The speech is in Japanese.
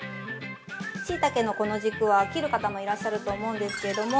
しいたけのこの軸は、切る方もいらっしゃると思うんですけれども。